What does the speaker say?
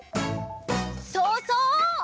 そうそう！